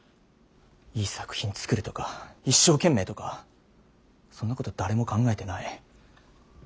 いい作品つくるとか一生懸命とかそんなこと誰も考えてない。